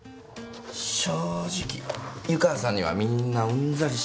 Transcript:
正直湯川さんにはみんなうんざりしてる。